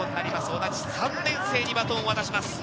同じ３年生にバトンを渡します。